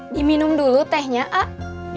diminum dulu tehnya ah